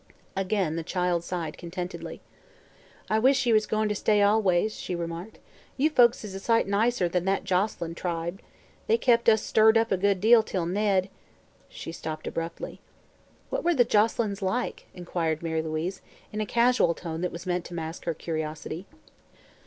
Again the child sighed contentedly. "I wish ye was goin' ter stay always," she remarked. "You folks is a sight nicer'n that Joselyn tribe. They kep' us stirred up a good deal till Ned " She stopped abruptly. "What were the Joselyns like?" inquired Mary Louise, in a casual tone that was meant to mask her curiosity.